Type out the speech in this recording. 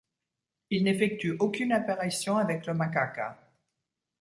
Il n'effectue aucune apparition avec le Macaca.